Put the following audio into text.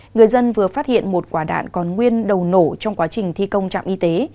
người dân vừa phát hiện một quả đạn còn nguyên đầu nổ trong quá trình thi công trạm y tế